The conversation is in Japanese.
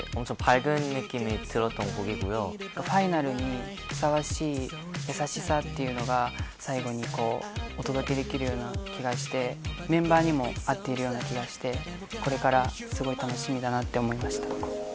ファイナルにふさわしい優しさっていうのが、最後にこう、お届けできるような気がして、メンバーにも合っているような気がして、これからすごい楽しみだなって思いました。